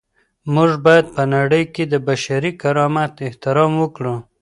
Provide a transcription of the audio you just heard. موږ باید په نړۍ کي د بشري کرامت احترام وکړو.